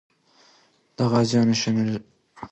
که د غازیانو شمېر لږ وي، نو ماتي سره مخامخ کېږي.